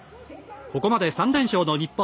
ここまで３連勝の日本。